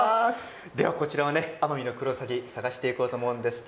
こちらはアマミノクロウサギを探していこうと思うんですが。